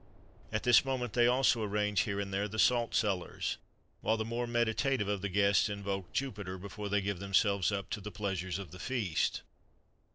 At this moment they also arrange here and there the salt cellars,[XXXV 33] while the more meditative of the guests invoke Jupiter, before they give themselves up to the pleasures of the feast.